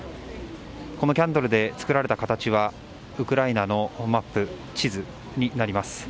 このキャンドルで作られた形はウクライナのマップ地図になります。